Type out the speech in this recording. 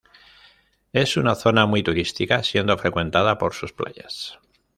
Es una zona muy turística, siendo frecuentada por sus playas.